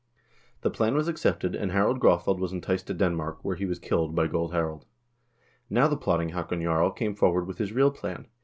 The plan was accepted, and Harald Graafeld was enticed to Denmark, where he was killed by Gold Harald. Now the plotting Haakon Jarl came forward with his real plan.